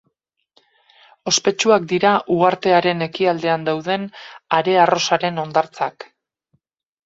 Ospetsuak dira uhartearen ekialdean dauden are arrosaren hondartzak.